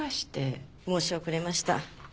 申し遅れました。